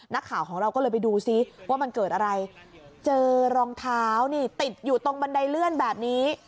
นักข่าวของเราก็เลยไปดูซิว่ามันเกิดอะไรเจอรองเท้านี่ติดอยู่ตรงบันไดเลื่อนแบบนี้